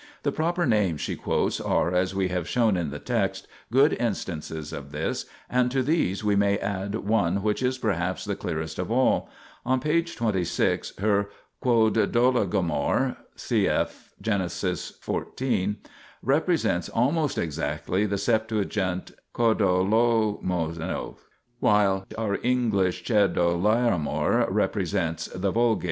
The proper names she quotes are, as we have shown in the text, good instances of this, and to these we may add one which is perhaps the clearest of all : on p. 26 her Quodollagomor (cf. Gen. xiv.) represents almost exactly the LXX XodoMoyojuog, while our Eng. Chedorlaomer represents the Vulg.